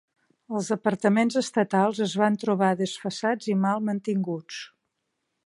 Els apartaments estatals es van trobar desfasats i mal mantinguts.